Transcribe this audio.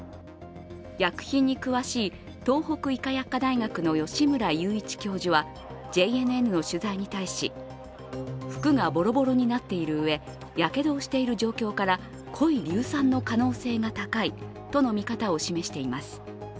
薬品に詳しい東北医科薬科大学の吉村祐一教授は、ＪＮＮの取材に対し服がぼろぼろになっているうえやけどをしている状況から濃い硫酸の可能性が高いとの見方を示しています。